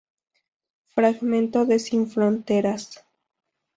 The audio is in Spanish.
Fragmento de Sin Fronteras